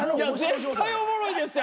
絶対おもろいですって。